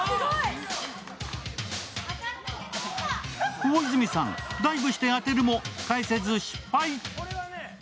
大泉さん、ダイブして当てるも返せず失敗。